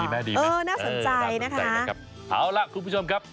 ดีไหมดีมากเข้าสนใจนะครับ